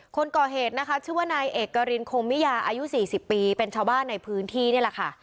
คนก่อเหตุนะคะชื่อว่านายเอกรินคงมิยาอายุ๔๐ปีเป็นชาวบ้านในพื้นที่นี่แหละค่ะ